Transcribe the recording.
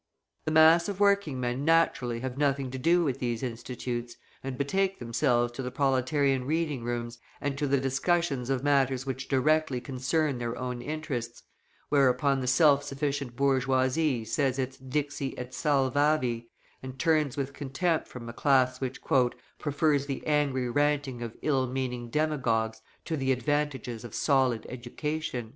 The mass of working men naturally have nothing to do with these institutes, and betake themselves to the proletarian reading rooms and to the discussion of matters which directly concern their own interests, whereupon the self sufficient bourgeoisie says its Dixi et Salvavi, and turns with contempt from a class which "prefers the angry ranting of ill meaning demagogues to the advantages of solid education."